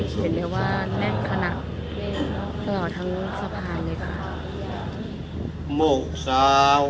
อธินาธาเวระมะนิสิขาปะทังสมาธิยามี